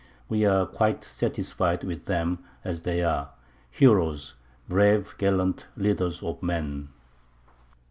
We are quite satisfied with them as they are: heroes, brave, gallant leaders of men.